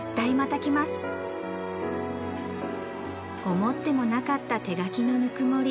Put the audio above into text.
思ってもなかった手書きのぬくもり